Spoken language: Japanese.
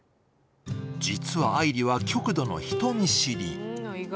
実は、愛梨は極度の人見知り。